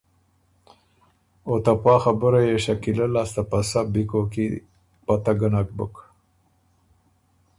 او ته پا خبُره يې شکیلۀ لاسته پسۀ بی کوک کی پته ګه نک بُک۔